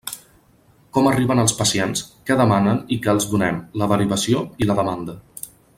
Com arriben els pacients, què demanen i què els donem: la derivació i la demanda.